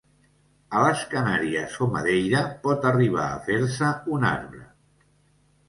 A les Canàries o Madeira pot arribar a fer-se un arbre.